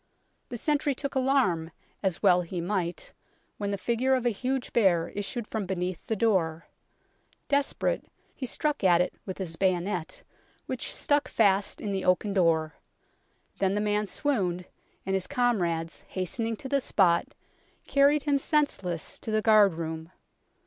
The sentry took alarm, as well he might, when the figure of a huge bear issued from beneath the door. Desperate, he struck at it with his bayonet, which stuck fast in the oaken door ; then the man swooned, and his comrades, hastening to the spot, carried him senseless to the guard room.